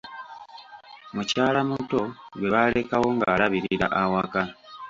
Mukyalamuto gwe baalekawo ng'alabirira awaka.